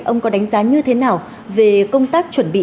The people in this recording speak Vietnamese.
ông có đánh giá như thế nào về công tác chuẩn bị